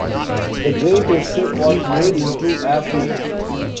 "The Great Escape" was made into a film.